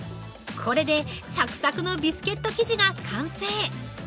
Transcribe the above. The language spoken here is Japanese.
これでサクサクのビスケット生地が完成！